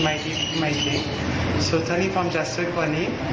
แต่ผมทำอาฤติฝรั่งมาเป็นภาพ